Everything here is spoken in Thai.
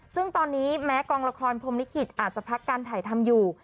ซึ่งตอนนี้แม้กองละครพรมลิขิตอาจจะพักการถ่ายทำอยู่